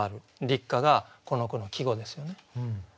「立夏」がこの句の季語ですよね。